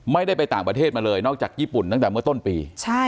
ไม่ได้ไปต่างประเทศมาเลยนอกจากญี่ปุ่นตั้งแต่เมื่อต้นปี